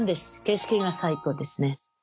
景色が最高ですね。